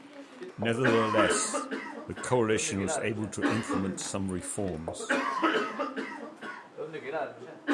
Nevertheless, this coalition was able to implement some reforms.